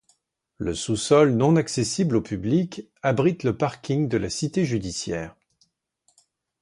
Le sous-sol, non accessible au public, abrite le parking de la cité judiciaire.